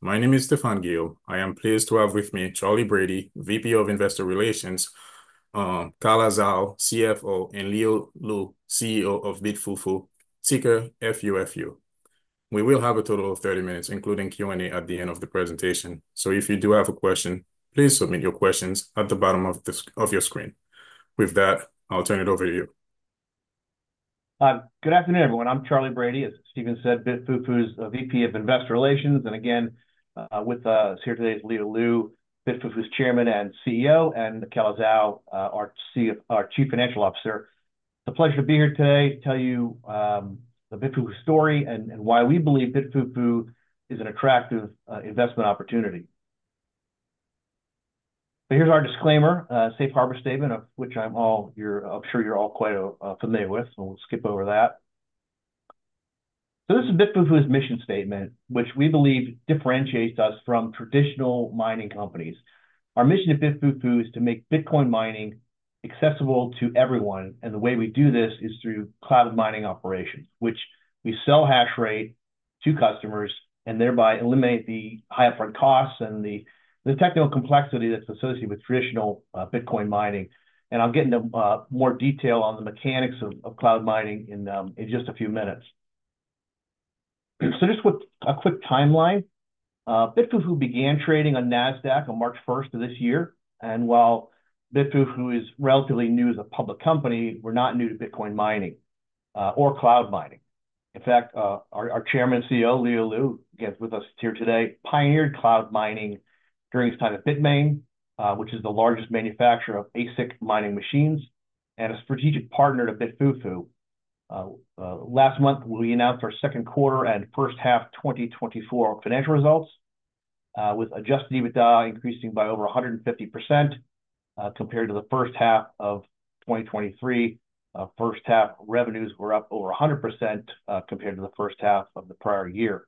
My name is Stephan Gill. I am pleased to have with me Charley Brady, VP of Investor Relations, Calla Zhao, CFO, and Leo Lu, CEO of BitFuFu. We will have a total of thirty minutes, including Q&A at the end of the presentation so if you do have a question, please submit your questions at the bottom of the screen. With that, I'll turn it over to you. Good afternoon, everyone. I'm Charley Brady. As Stephan said, BitFuFu's VP of Investor Relations, and again, with us here today is Leo Lu, BitFuFu's Chairman and CEO, and Calla Zhao, our Chief Financial Officer. It's a pleasure to be here today to tell you, the BitFuFu story and why we believe BitFuFu is an attractive investment opportunity. So here's our disclaimer, a safe harbor statement, of which I'm sure you're all quite familiar with, so we'll skip over that. So this is BitFuFu's mission statement, which we believe differentiates us from traditional mining companies. Our mission at BitFuFu is to make Bitcoin mining accessible to everyone, and the way we do this is through cloud mining operations, which we sell hash rate to customers and thereby eliminate the high upfront costs and the technical complexity that's associated with traditional Bitcoin mining. And I'll get into more detail on the mechanics of cloud mining in just a few minutes. So just a quick timeline. BitFuFu began trading on NASDAQ on March first of this year, and while BitFuFu is relatively new as a public company, we're not new to Bitcoin mining or cloud mining. In fact, our Chairman and CEO, Leo Lu, again, with us here today, pioneered cloud mining during his time at Bitmain, which is the largest manufacturer of ASIC mining machines and a strategic partner to BitFuFu. Last month, we announced our second quarter and first half 2024 financial results, with adjusted EBITDA increasing by over 150%, compared to the first half of 2023. First half revenues were up over 100%, compared to the first half of the prior year.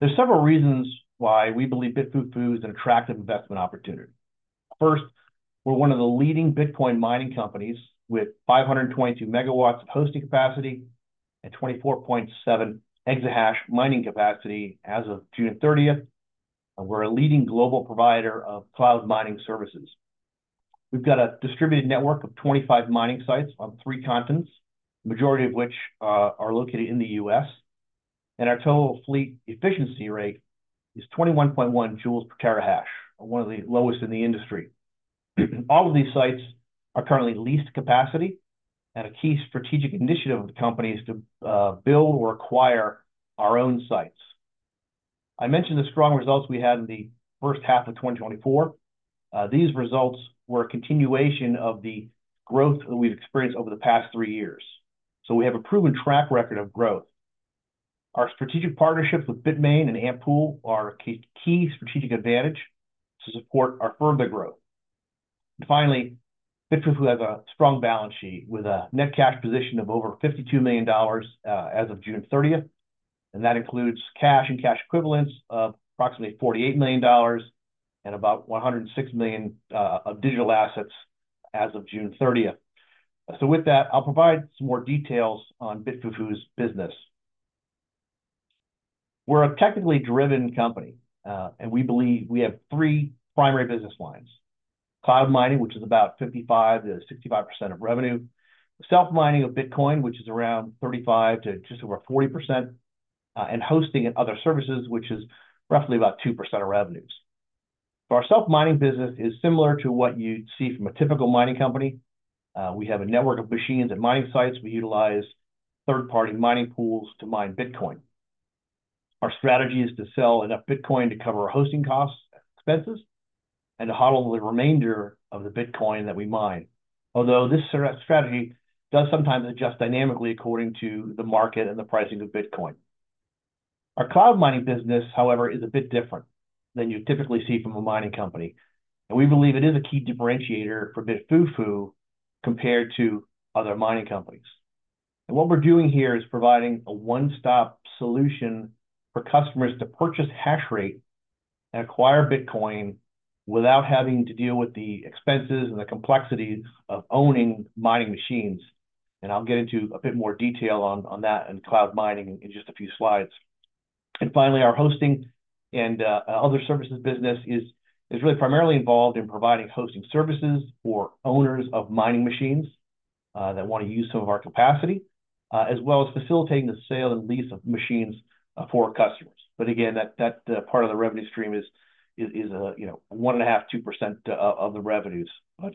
There are several reasons why we believe BitFuFu is an attractive investment opportunity. First, we're one of the leading Bitcoin mining companies, with 522 megawatts of hosting capacity and 24.7 exahash mining capacity as of June thirtieth. We're a leading global provider of cloud mining services. We've got a distributed network of 25 mining sites on three continents, the majority of which are located in the US, and our total fleet efficiency rate is 21.1 joules per terahash, one of the lowest in the industry. All of these sites are currently leased capacity, and a key strategic initiative of the company is to build or acquire our own sites. I mentioned the strong results we had in the first half of 2024. These results were a continuation of the growth that we've experienced over the past three years. So we have a proven track record of growth. Our strategic partnerships with Bitmain and AntPool are a key strategic advantage to support our further growth. And finally, BitFuFu has a strong balance sheet with a net cash position of over $52 million, as of June 30th, and that includes cash and cash equivalents of approximately $48 million and about $106 million of digital assets as of June 30th. So with that, I'll provide some more details on BitFuFu's business. We're a technically driven company, and we believe we have three primary business lines: cloud mining, which is about 55%-65% of revenue, self-mining of Bitcoin, which is around 35% to just over 40%, and hosting and other services, which is roughly about 2% of revenues. Our self-mining business is similar to what you'd see from a typical mining company. We have a network of machines and mining sites. We utilize third-party mining pools to mine Bitcoin. Our strategy is to sell enough Bitcoin to cover our hosting costs, expenses, and to HODL the remainder of the Bitcoin that we mine. Although this strategy does sometimes adjust dynamically according to the market and the pricing of Bitcoin. Our cloud mining business, however, is a bit different than you typically see from a mining company, and we believe it is a key differentiator for BitFuFu compared to other mining companies. And what we're doing here is providing a one-stop solution for customers to purchase hash rate and acquire Bitcoin without having to deal with the expenses and the complexities of owning mining machines. And I'll get into a bit more detail on that and cloud mining in just a few slides. And finally, our hosting and other services business is really primarily involved in providing hosting services for owners of mining machines that want to use some of our capacity, as well as facilitating the sale and lease of machines for customers. But again, that part of the revenue stream is, you know, 1.5%-2% of the revenues, but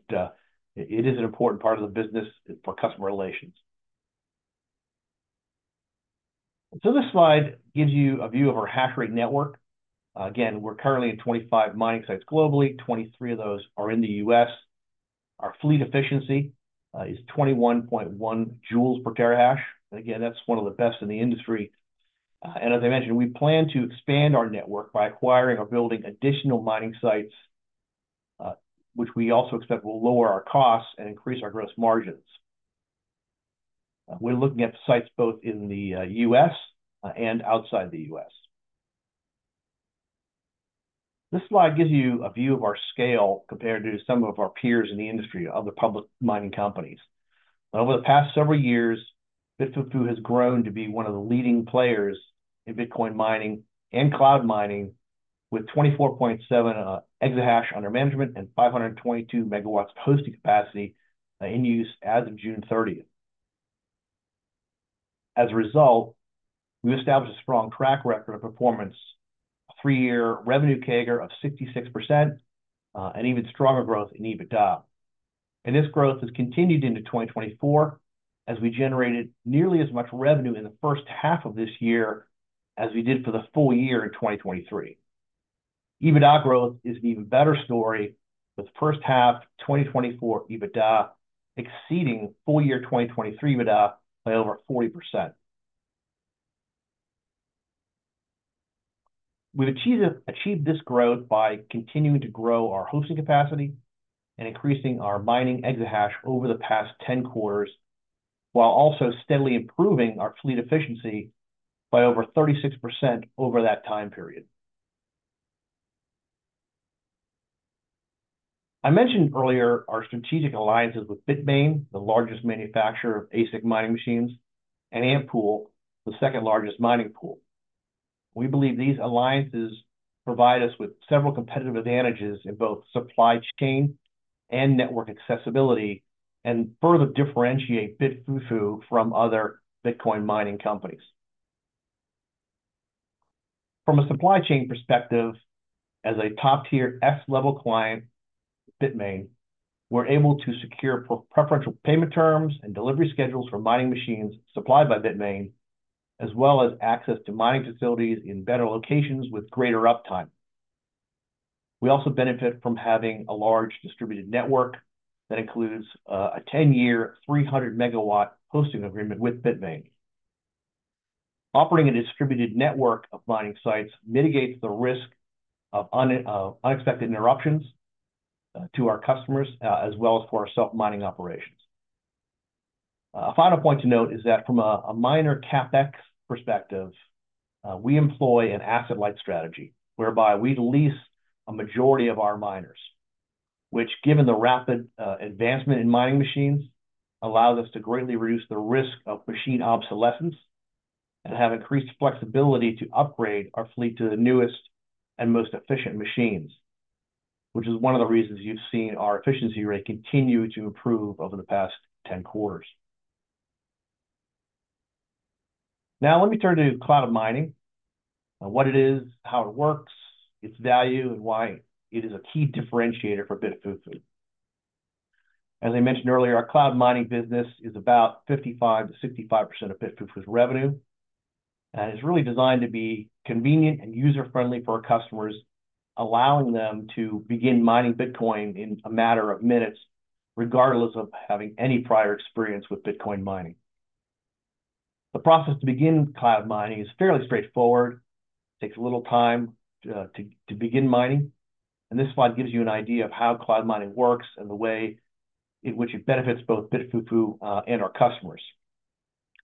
it is an important part of the business for customer relations. So this slide gives you a view of our hash rate network. Again, we're currently at 25 mining sites globally. 23 of those are in the U.S. Our fleet efficiency is 21.1 joules per terahash. Again, that's one of the best in the industry. And as I mentioned, we plan to expand our network by acquiring or building additional mining sites, which we also expect will lower our costs and increase our gross margins. We're looking at sites both in the U.S. and outside the U.S. This slide gives you a view of our scale compared to some of our peers in the industry, other public mining companies. Over the past several years, BitFuFu has grown to be one of the leading players in Bitcoin mining and cloud mining, with 24.7 exahash under management and 522 megawatts hosting capacity in use as of June 30th. As a result, we've established a strong track record of performance, a three-year revenue CAGR of 66%, and even stronger growth in EBITDA. This growth has continued into 2024, as we generated nearly as much revenue in the first half of this year as we did for the full year in 2023. EBITDA growth is an even better story, with first half 2024 EBITDA exceeding full year 2023 EBITDA by over 40%. We've achieved this growth by continuing to grow our hosting capacity and increasing our mining Exahash over the past 10 quarters, while also steadily improving our fleet efficiency by over 36% over that time period. I mentioned earlier our strategic alliances with Bitmain, the largest manufacturer of ASIC mining machines, and AntPool, the second largest mining pool. We believe these alliances provide us with several competitive advantages in both supply chain and network accessibility, and further differentiate BitFuFu from other Bitcoin mining companies. From a supply chain perspective, as a top-tier S-level client, Bitmain, we're able to secure preferential payment terms and delivery schedules for mining machines supplied by Bitmain, as well as access to mining facilities in better locations with greater uptime. We also benefit from having a large distributed network that includes a ten-year, 300 megawatt hosting agreement with Bitmain. Operating a distributed network of mining sites mitigates the risk of unexpected interruptions to our customers, as well as for our self-mining operations. A final point to note is that from a miner CapEx perspective, we employ an asset-light strategy, whereby we lease a majority of our miners, which, given the rapid advancement in mining machines, allows us to greatly reduce the risk of machine obsolescence and have increased flexibility to upgrade our fleet to the newest and most efficient machines, which is one of the reasons you've seen our efficiency rate continue to improve over the past 10 quarters. Now, let me turn to cloud mining, and what it is, how it works, its value, and why it is a key differentiator for BitFuFu. As I mentioned earlier, our cloud mining business is about 55%-65% of BitFuFu's revenue, and it's really designed to be convenient and user-friendly for our customers, allowing them to begin mining Bitcoin in a matter of minutes, regardless of having any prior experience with Bitcoin mining. The process to begin cloud mining is fairly straightforward, takes a little time to begin mining, and this slide gives you an idea of how cloud mining works and the way in which it benefits both BitFuFu and our customers.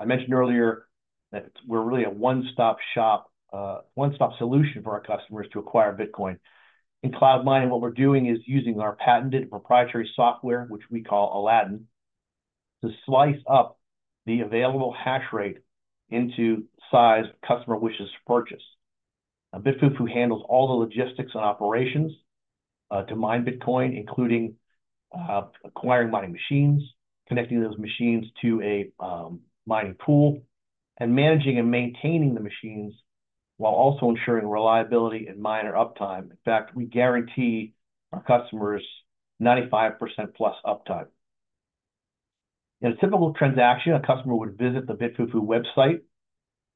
I mentioned earlier that we're really a one-stop shop, one-stop solution for our customers to acquire Bitcoin. In cloud mining, what we're doing is using our patented proprietary software, which we call Aladdin, to slice up the available hash rate into size customer wishes to purchase. BitFuFu handles all the logistics and operations to mine Bitcoin, including acquiring mining machines, connecting those machines to a mining pool, and managing and maintaining the machines while also ensuring reliability and miner uptime. In fact, we guarantee our customers 95% plus uptime. In a typical transaction, a customer would visit the BitFuFu website,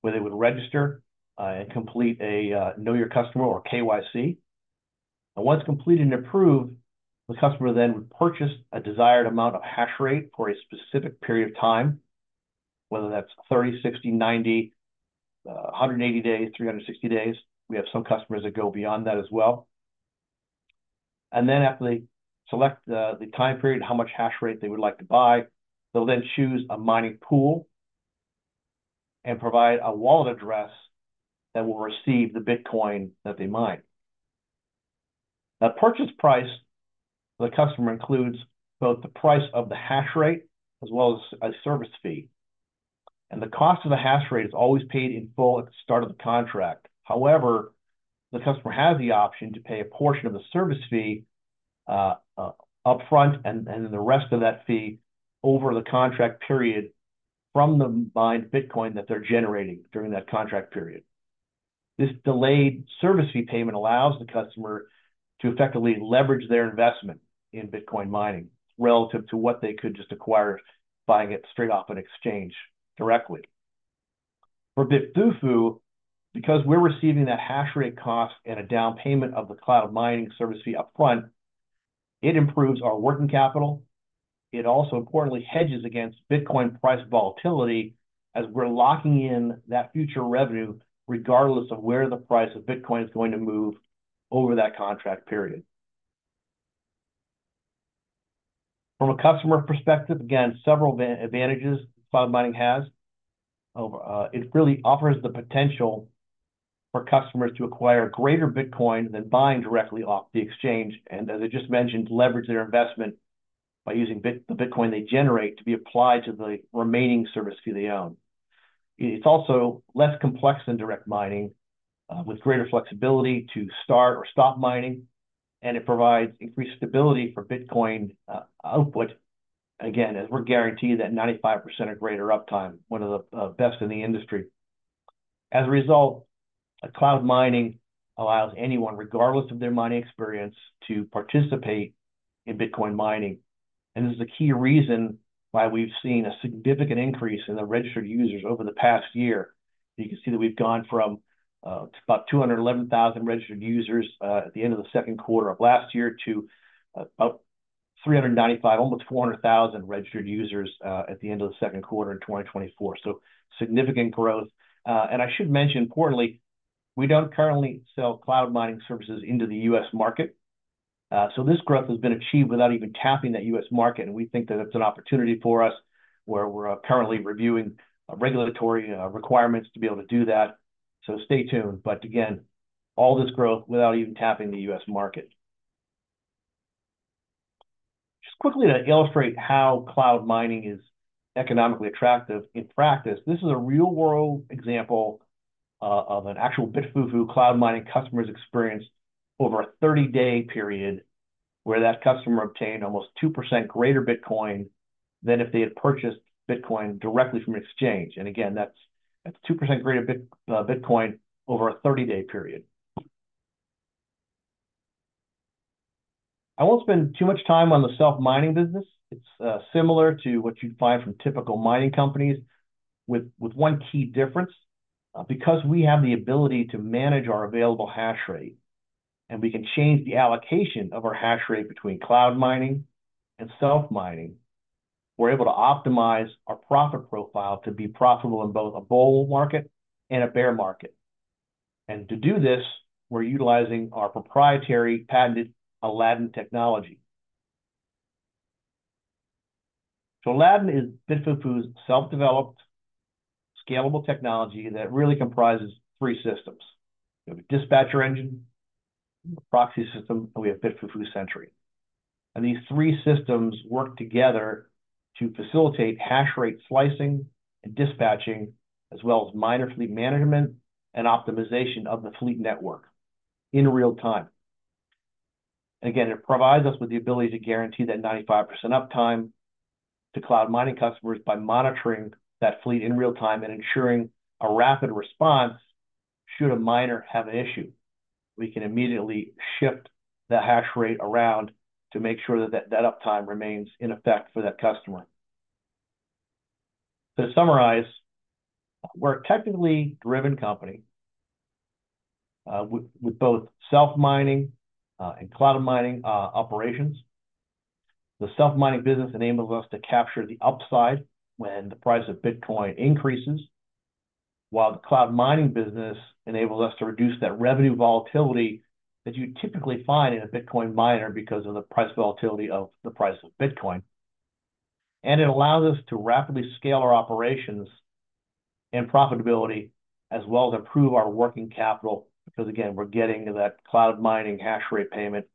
where they would register and complete a Know Your Customer or KYC, and once completed and approved, the customer then would purchase a desired amount of hash rate for a specific period of time, whether that's thirty, sixty, ninety, hundred and eighty days, three hundred and sixty days. We have some customers that go beyond that as well. And then after they select the time period, how much hash rate they would like to buy, they'll then choose a mining pool and provide a wallet address that will receive the Bitcoin that they mine. That purchase price for the customer includes both the price of the hash rate as well as a service fee, and the cost of the hash rate is always paid in full at the start of the contract. However, the customer has the option to pay a portion of the service fee, upfront and then the rest of that fee over the contract period from the mined Bitcoin that they're generating during that contract period. This delayed service fee payment allows the customer to effectively leverage their investment in Bitcoin mining relative to what they could just acquire buying it straight off an exchange directly. For BitFuFu, because we're receiving that hash rate cost and a down payment of the cloud mining service fee upfront, it improves our working capital. It also importantly hedges against Bitcoin price volatility as we're locking in that future revenue, regardless of where the price of Bitcoin is going to move over that contract period. From a customer perspective, again, several advantages cloud mining has. It really offers the potential for customers to acquire greater Bitcoin than buying directly off the exchange, and as I just mentioned, leverage their investment by using the Bitcoin they generate to be applied to the remaining service fee they own. It's also less complex than direct mining, with greater flexibility to start or stop mining, and it provides increased stability for Bitcoin output. Again, as we're guaranteed that 95% or greater uptime, one of the best in the industry. As a result, cloud mining allows anyone, regardless of their mining experience, to participate in Bitcoin mining. And this is a key reason why we've seen a significant increase in the registered users over the past year. You can see that we've gone from about 211,000 registered users at the end of the second quarter of last year to about 395, almost 400,000 registered users at the end of the second quarter in 2024. So significant growth. And I should mention, importantly, we don't currently sell cloud mining services into the U.S. market. So this growth has been achieved without even tapping that U.S. market, and we think that it's an opportunity for us, where we're currently reviewing regulatory requirements to be able to do that. So stay tuned. But again, all this growth without even tapping the U.S. market. Just quickly to illustrate how cloud mining is economically attractive in practice, this is a real-world example of an actual BitFuFu cloud mining customer's experience over a 30-day period, where that customer obtained almost 2% greater Bitcoin than if they had purchased Bitcoin directly from exchange. And again, that's, that's 2% greater Bitcoin over a 30-day period. I won't spend too much time on the self mining business. It's similar to what you'd find from typical mining companies, with one key difference. Because we have the ability to manage our available hash rate, and we can change the allocation of our hash rate between cloud mining and self mining, we're able to optimize our profit profile to be profitable in both a bull market and a bear market. And to do this, we're utilizing our proprietary patented Aladdin technology. So Aladdin is BitFuFu's self-developed, scalable technology that really comprises three systems. We have a dispatcher engine, a proxy system, and we have BitFuFu Sentry. And these three systems work together to facilitate hash rate slicing and dispatching, as well as miner fleet management and optimization of the fleet network in real time. Again, it provides us with the ability to guarantee that 95% uptime to cloud mining customers by monitoring that fleet in real time and ensuring a rapid response should a miner have an issue. We can immediately shift the hash rate around to make sure that uptime remains in effect for that customer. To summarize, we're a technically driven company with both self mining and cloud mining operations. The self mining business enables us to capture the upside when the price of Bitcoin increases, while the cloud mining business enables us to reduce that revenue volatility that you'd typically find in a Bitcoin miner because of the price volatility of the price of Bitcoin, and it allows us to rapidly scale our operations and profitability, as well as improve our working capital, because, again, we're getting that cloud mining hash rate payment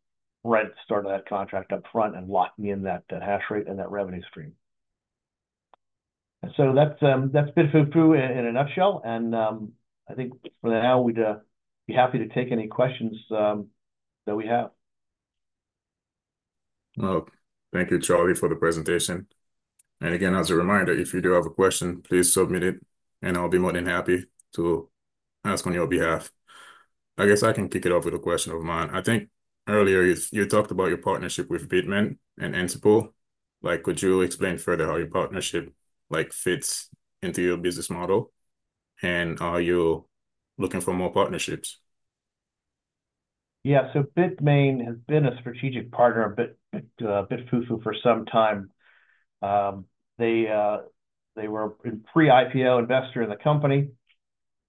right at the start of that contract upfront and locking in that hash rate and that revenue stream. So that's BitFuFu in a nutshell, and I think for now, we'd be happy to take any questions that we have. Thank you, Charley, for the presentation. Again, as a reminder, if you do have a question, please submit it, and I'll be more than happy to ask on your behalf. I guess I can kick it off with a question of mine. I think earlier you talked about your partnership with Bitmain and AntPool. Like, could you explain further how your partnership, like, fits into your business model, and are you looking for more partnerships? Yeah. So Bitmain has been a strategic partner of BitFuFu for some time. They were a pre-IPO investor in the company.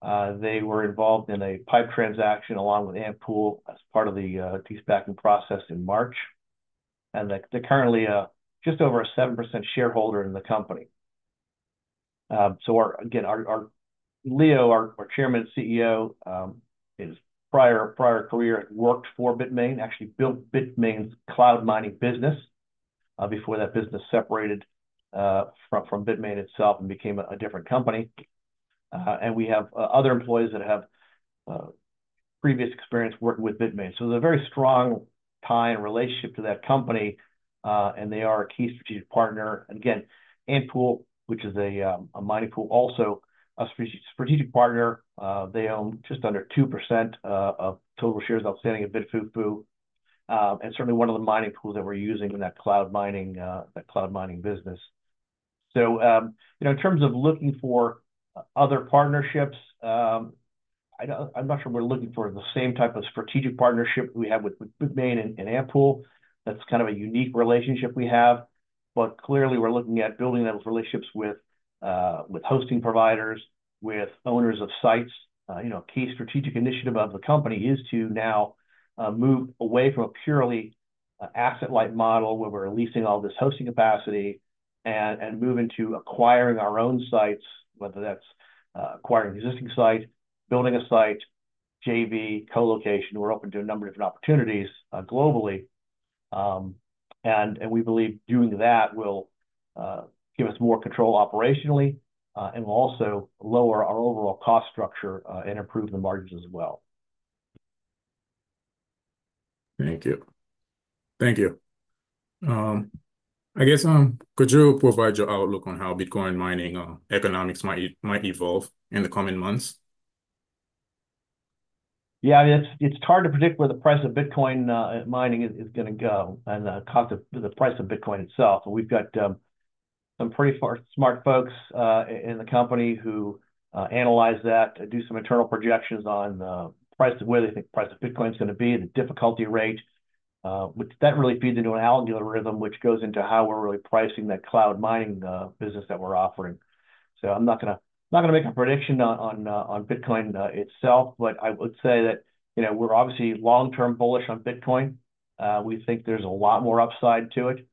They were involved in a PIPE transaction along with AntPool as part of the de-SPAC process in March, and they're currently just over a 7% shareholder in the company. So our Leo, our chairman and CEO, his prior career worked for Bitmain, actually built Bitmain's cloud mining business before that business separated from Bitmain itself and became a different company. And we have other employees that have previous experience working with Bitmain. So there's a very strong tie and relationship to that company, and they are a key strategic partner. And again, AntPool, which is a mining pool, also a strategic partner. They own just under 2% of total shares outstanding at BitFuFu, and certainly one of the mining pools that we're using in that cloud mining business. So, you know, in terms of looking for other partnerships, I'm not sure we're looking for the same type of strategic partnership we have with Bitmain and AntPool. That's kind of a unique relationship we have, but clearly, we're looking at building those relationships with hosting providers, with owners of sites. You know, key strategic initiative of the company is to now move away from a purely asset-light model, where we're leasing all this hosting capacity, and move into acquiring our own sites, whether that's acquiring an existing site, building a site, JV, co-location. We're open to a number of different opportunities globally. We believe doing that will give us more control operationally and will also lower our overall cost structure and improve the margins as well. Thank you. Thank you. I guess, could you provide your outlook on how Bitcoin mining economics might evolve in the coming months? Yeah, it's hard to predict where the price of Bitcoin mining is gonna go, and the cost of the price of Bitcoin itself. But we've got some pretty smart folks in the company who analyze that, do some internal projections on price, where they think the price of Bitcoin is gonna be, the difficulty rate. Which that really feeds into an algorithm, which goes into how we're really pricing that cloud mining business that we're offering. So I'm not gonna make a prediction on Bitcoin itself, but I would say that, you know, we're obviously long-term bullish on Bitcoin. We think there's a lot more upside to it,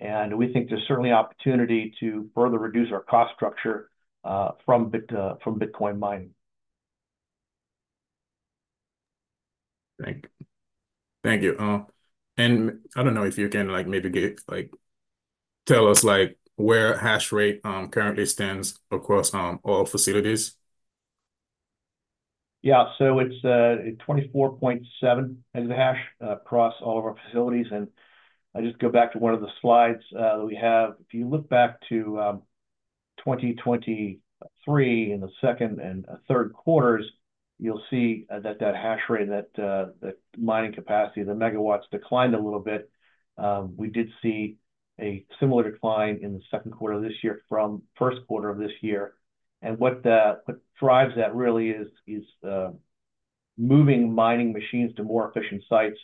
and we think there's certainly opportunity to further reduce our cost structure from Bitcoin mining. Thank you. And I don't know if you can, like, tell us, like, where hash rate currently stands across all facilities? Yeah. So it's 24.7 EH across all of our facilities. And I just go back to one of the slides that we have. If you look back to 2023, in the second and third quarters, you'll see that hash rate, that the mining capacity, the megawatts declined a little bit. We did see a similar decline in the second quarter of this year from first quarter of this year. And what drives that really is moving mining machines to more efficient sites,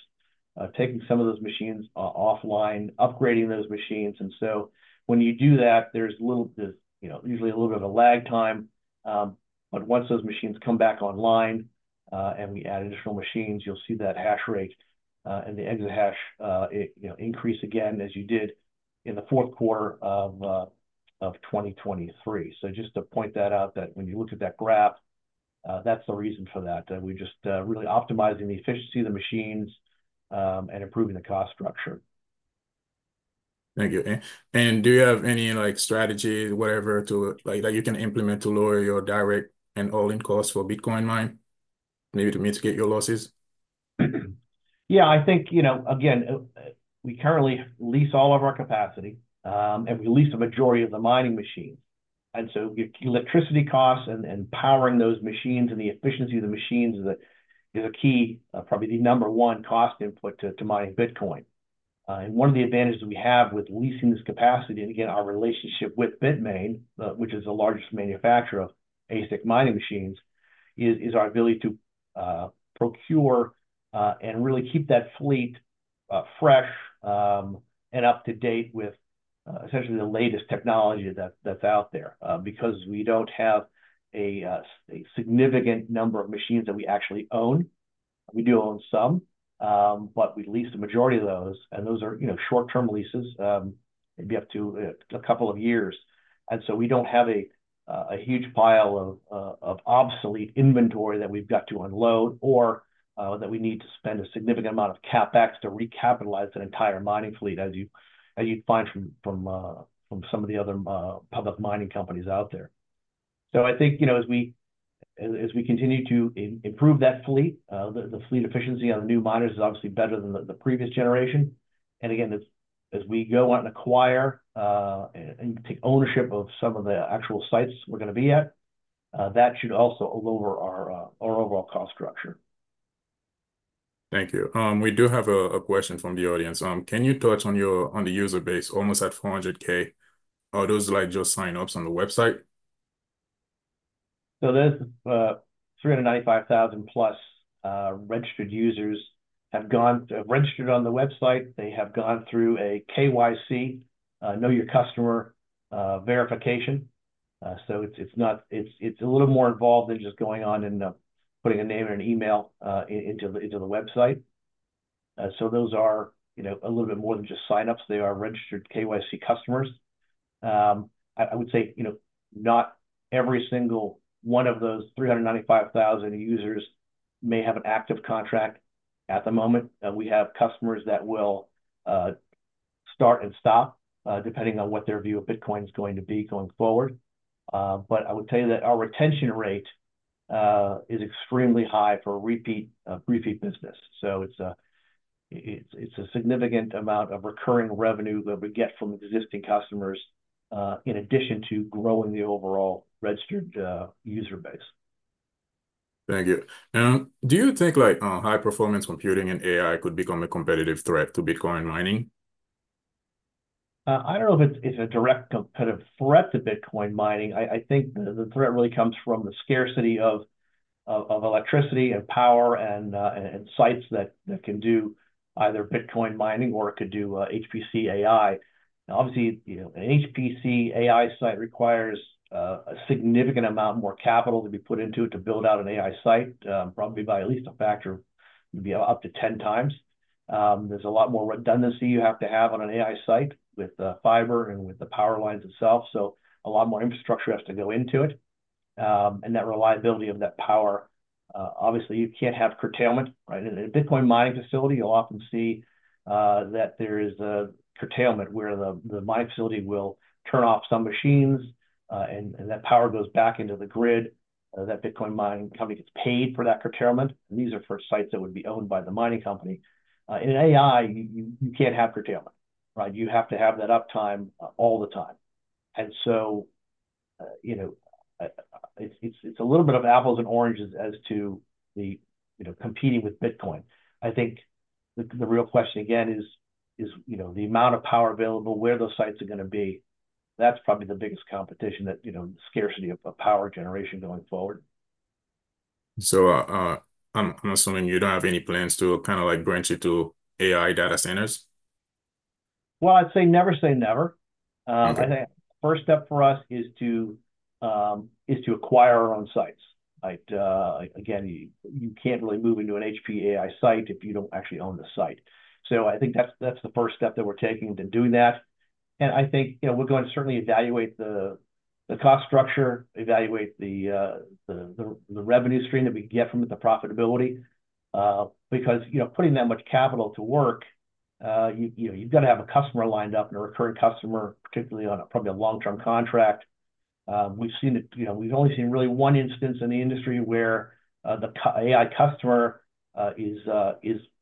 taking some of those machines offline, upgrading those machines. And so when you do that, there's little, you know, usually a little bit of a lag time, but once those machines come back online and we add additional machines, you'll see that hash rate and then the hash rate increase again, as it did in the fourth quarter of 2023. So just to point that out, when you look at that graph, that's the reason for that. We're just really optimizing the efficiency of the machines and improving the cost structure. Thank you. And do you have any, like, strategy, whatever, to, like, that you can implement to lower your direct and all-in costs for Bitcoin mining, maybe to mitigate your losses? Yeah, I think, you know, again, we currently lease all of our capacity, and we lease the majority of the mining machines. And so electricity costs and powering those machines, and the efficiency of the machines is a key, probably the number one cost input to mining Bitcoin. And one of the advantages we have with leasing this capacity, and again, our relationship with Bitmain, which is the largest manufacturer of ASIC mining machines, is our ability to procure and really keep that fleet fresh, and up to date with essentially the latest technology that's out there. Because we don't have a significant number of machines that we actually own. We do own some, but we lease the majority of those, and those are, you know, short-term leases. Maybe up to a couple of years, and so we don't have a huge pile of obsolete inventory that we've got to unload, or that we need to spend a significant amount of CapEx to recapitalize an entire mining fleet, as you'd find from some of the other public mining companies out there. I think, you know, as we continue to improve that fleet, the fleet efficiency on the new miners is obviously better than the previous generation, and again, as we go out and acquire and take ownership of some of the actual sites we're gonna be at, that should also lower our overall cost structure. Thank you. We do have a question from the audience. Can you touch on your user base, almost at four hundred K? Are those, like, just sign-ups on the website? So there's three hundred and ninety-five thousand plus registered users have registered on the website. They have gone through a KYC, Know Your Customer, verification. So it's not. It's a little more involved than just going on and putting a name and an email into the website. So those are, you know, a little bit more than just sign-ups. They are registered KYC customers. I would say, you know, not every single one of those three hundred and ninety-five thousand users may have an active contract at the moment. We have customers that will start and stop depending on what their view of Bitcoin is going to be going forward. But I would tell you that our retention rate is extremely high for repeat business. It's a significant amount of recurring revenue that we get from existing customers, in addition to growing the overall registered user base. Thank you. Do you think, like, high performance computing and AI could become a competitive threat to Bitcoin mining? I don't know if it's a direct kind of threat to Bitcoin mining. I think the threat really comes from the scarcity of electricity and power and sites that can do either Bitcoin mining or it could do HPC AI. Now, obviously, you know, an HPC AI site requires a significant amount more capital to be put into it to build out an AI site, probably by at least a factor, maybe up to ten times. There's a lot more redundancy you have to have on an AI site with the fiber and with the power lines itself, so a lot more infrastructure has to go into it, and that reliability of that power, obviously, you can't have curtailment, right? In a Bitcoin mining facility, you'll often see that there is a curtailment, where the mining facility will turn off some machines, and that power goes back into the grid, that Bitcoin mining company gets paid for that curtailment, and these are for sites that would be owned by the mining company. In an AI, you can't have curtailment, right? You have to have that uptime all the time, and so, you know, it's a little bit of apples and oranges as to the, you know, competing with Bitcoin. I think the real question again is, you know, the amount of power available, where those sites are gonna be, that's probably the biggest competition, that you know, scarcity of power generation going forward. I'm assuming you don't have any plans to kind of, like, branch into AI data centers? Well, I'd say never say never. Okay. I think first step for us is to acquire our own sites, right? Again, you can't really move into an HPC AI site if you don't actually own the site. So I think that's the first step that we're taking to doing that, and I think, you know, we're going to certainly evaluate the cost structure, evaluate the revenue stream that we get from it, the profitability. Because, you know, putting that much capital to work, you know, you've got to have a customer lined up and a recurring customer, particularly on a, probably a long-term contract. We've seen it. You know, we've only seen really one instance in the industry where the AI customer is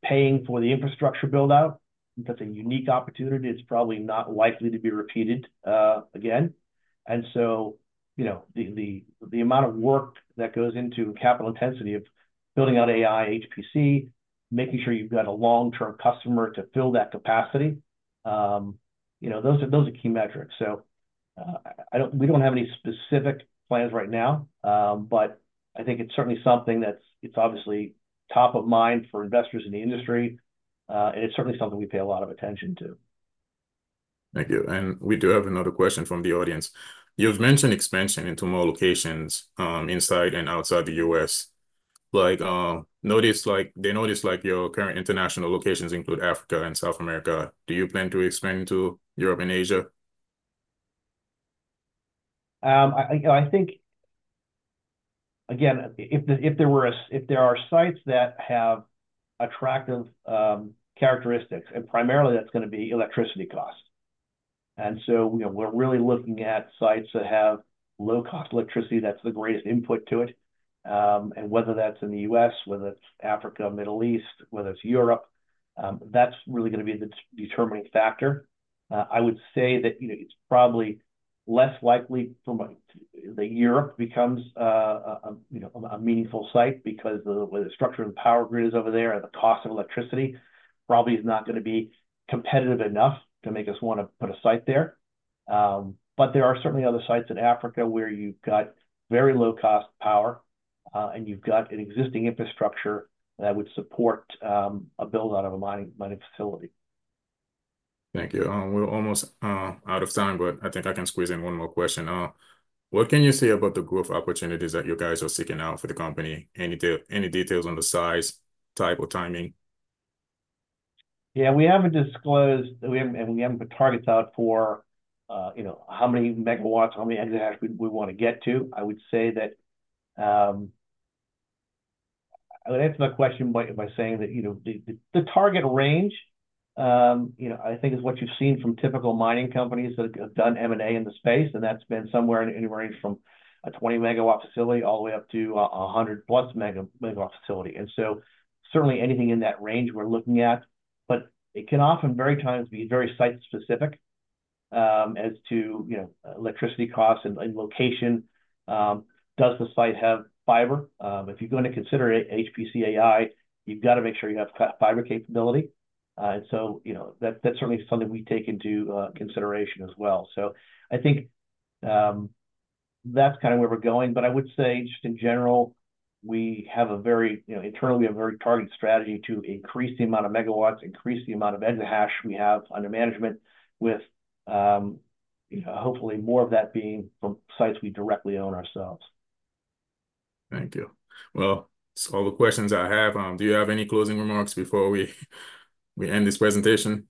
paying for the infrastructure build-out. That's a unique opportunity. It's probably not likely to be repeated, again. And so, you know, the amount of work that goes into capital intensity of building out AI HPC, making sure you've got a long-term customer to fill that capacity, you know, those are key metrics. So, we don't have any specific plans right now, but I think it's certainly something that's... It's obviously top of mind for investors in the industry, and it's certainly something we pay a lot of attention to. Thank you. And we do have another question from the audience. You've mentioned expansion into more locations, inside and outside the U.S. Like, they noticed, like, your current international locations include Africa and South America. Do you plan to expand into Europe and Asia? I think, again, if there are sites that have attractive characteristics, and primarily that's gonna be electricity costs. And so, you know, we're really looking at sites that have low-cost electricity, that's the greatest input to it. And whether that's in the U.S., whether it's Africa, Middle East, whether it's Europe, that's really gonna be the determining factor. I would say that, you know, it's probably less likely that Europe becomes, you know, a meaningful site, because the structure of the power grid is over there, and the cost of electricity probably is not gonna be competitive enough to make us want to put a site there. But there are certainly other sites in Africa where you've got very low-cost power, and you've got an existing infrastructure that would support a build-out of a mining facility. Thank you. We're almost out of time, but I think I can squeeze in one more question. What can you say about the growth opportunities that you guys are seeking out for the company? Any details on the size, type, or timing? Yeah, we haven't disclosed, we haven't, and we haven't put targets out for, you know, how many megawatts, how many exahash we, we wanna get to. I would say that, I would answer that question by, by saying that, you know, the target range, you know, I think is what you've seen from typical mining companies that have done M&A in the space, and that's been somewhere in the range from a 20-megawatt facility all the way up to a 100-plus megawatt facility. And so certainly anything in that range we're looking at, but it can often very times be very site-specific, as to, you know, electricity costs and, and location. Does the site have fiber? If you're going to consider HPC AI, you've got to make sure you have fiber capability. So, you know, that's certainly something we take into consideration as well. So I think that's kind of where we're going. But I would say, just in general, we have a very, you know, internally, a very targeted strategy to increase the amount of megawatts, increase the amount of exahash we have under management with, you know, hopefully more of that being from sites we directly own ourselves. Thank you. Well, that's all the questions I have. Do you have any closing remarks before we end this presentation?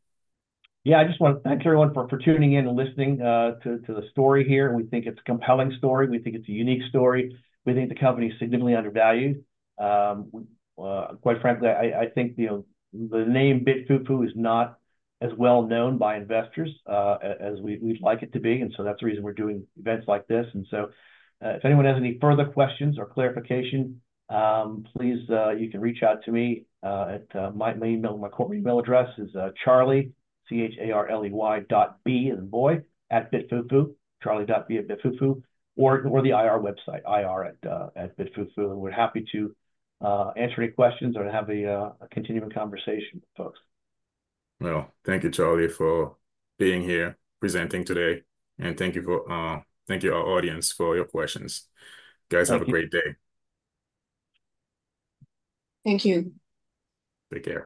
Yeah, I just want to thank everyone for tuning in and listening to the story here. We think it's a compelling story. We think it's a unique story. We think the company is significantly undervalued. Quite frankly, I think, you know, the name BitFuFu is not as well known by investors as we'd like it to be, and so that's the reason we're doing events like this. If anyone has any further questions or clarification, please, you can reach out to me at my main email, my corporate email address is charley, C-H-A-R-L-E-Y, dot B, as in boy, @bitfufu, charley.b@bitfufu, or the IR website, ir@bitfufu. We're happy to answer any questions or to have a continuing conversation, folks. Well, thank you, Charley, for being here presenting today, and thank you, our audience, for all your questions. Thank you. Guys, have a great day. Thank you. Take care.